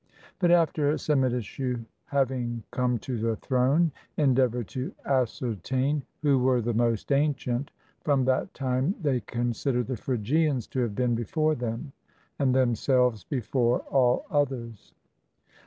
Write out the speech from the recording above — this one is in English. But after Psammitichus having come to the throne, en deavored to ascertain who were the most ancient, from that time they considered the Phrygians to have been before them, and themselves before all others.